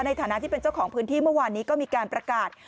ในฐานะที่เป็นเจ้าของพื้นที่เมื่อวานนี้ก็มีการประกาศ